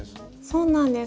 そうなんです。